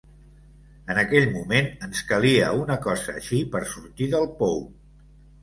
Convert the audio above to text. En aquell moment ens calia una cosa així per sortir del pou.